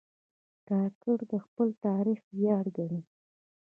کاکړ د خپل تاریخ ویاړ ګڼي.